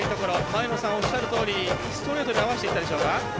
前野さん、おっしゃるとおりストレートに合わせてきたでしょうか。